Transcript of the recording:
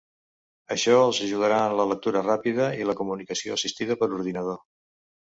Això els ajudarà en la lectura ràpida i la comunicació assistida per ordinador.